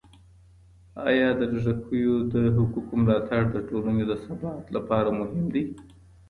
آیا د لږکیو د حقوقو ملاتړ د ټولني د ثبات لپاره مهم دی؟